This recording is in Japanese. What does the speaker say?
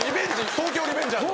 『東京リベンジャーズ』。